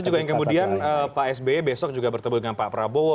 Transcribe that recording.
itu juga yang kemudian pak sby besok juga bertemu dengan pak prabowo